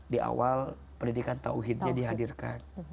di awal pendidikan tawhidnya dihadirkan